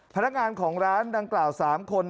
พนักงานของร้านดังกล่าว๓คน